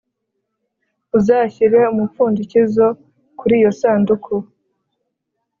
uzashyire umupfundikizo kuri iyo sanduku